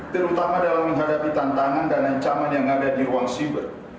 terutama dalam menghadapi tantangan dan ancaman yang ada di ruang siber